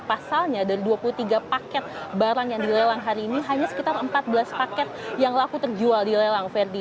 pasalnya dari dua puluh tiga paket barang yang dilelang hari ini hanya sekitar empat belas paket yang laku terjual di lelang verdi